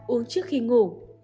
ba uống trước khi ngủ